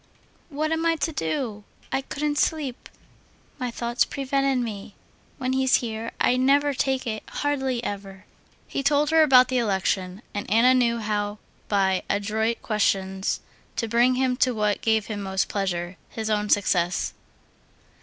"What am I to do? I couldn't sleep.... My thoughts prevented me. When he's here I never take it—hardly ever." He told her about the election, and Anna knew how by adroit questions to bring him to what gave him most pleasure—his own success.